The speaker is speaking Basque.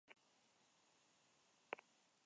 Nola ibiltzen ote dira famatuak bizitza errealean?